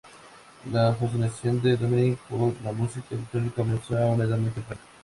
La fascinación de Dominik por la música electrónica comenzó a una edad muy temprana.